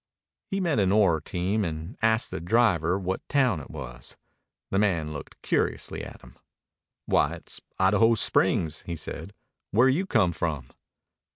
He met an ore team and asked the driver what town it was. The man looked curiously at him. "Why, it's Idaho Springs," he said. "Where you come from?"